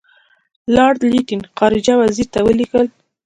لارډ لیټن خارجه وزیر ته ولیکل.